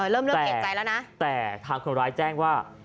เริ่มเห็นใจแล้วนะแต่แต่ทางคนร้ายแจ้งว่า